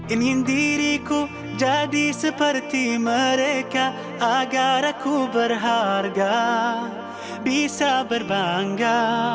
ingin diriku jadi seperti mereka agarku berharga bisa berbangga